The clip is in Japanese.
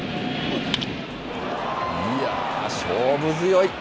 いやー、勝負強い。